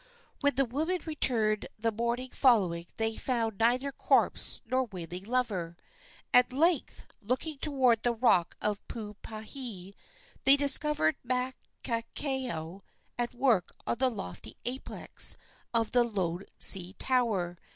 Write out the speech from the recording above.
When the women returned the morning following they found neither corpse nor wailing lover. At length, looking toward the rock of Puupehe, they discovered Makakehau at work on the lofty apex of the lone sea tower.